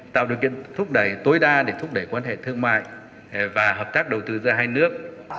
tạo điều kiện thúc đẩy tối đa để thúc đẩy quan hệ thương mại và hợp tác đầu tư giữa hai nước